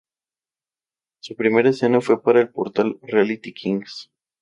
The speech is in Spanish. Su primera escena fue para el portal Reality Kings.